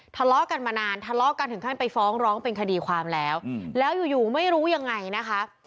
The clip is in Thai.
ทะเลาะกันมานานทะเลาะกันถึงขั้นไปฟ้องร้องเป็นคดีความแล้วแล้วอยู่ไม่รู้ยังไงนะคะ